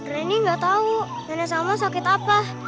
reni gak tau nenek salma sakit apa